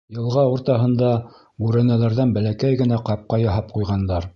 Йылға уртаһында бүрәнәләрҙән бәләкәй генә ҡапҡа яһап ҡуйғандар.